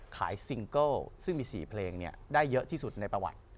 ซิงเกิลซึ่งมี๔เพลงได้เยอะที่สุดในประวัติ